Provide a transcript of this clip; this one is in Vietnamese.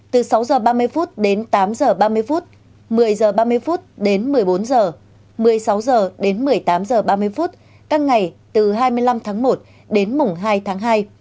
từ sáu h ba mươi đến tám h ba mươi phút một mươi h ba mươi đến một mươi bốn h một mươi sáu h đến một mươi tám h ba mươi các ngày từ hai mươi năm tháng một đến mùng hai tháng hai